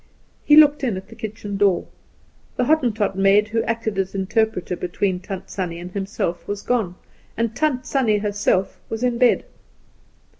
He looked in at the kitchen door. The Hottentot maid who acted as interpreter between Tant Sannie and himself was gone, and Tant Sannie herself was in bed.